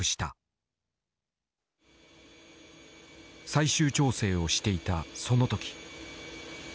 最終調整をしていたその時。